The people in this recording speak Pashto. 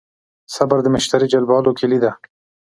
صبر د مشتری جلبولو کیلي ده.